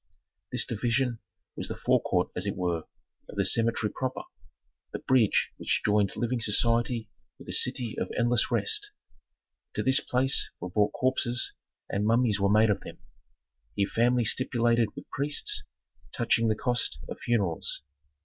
This division was the forecourt as it were, of the cemetery proper, the bridge which joined living society with the city of endless rest. To this place were brought corpses, and mummies were made of them; here families stipulated with priests, touching the cost of funerals.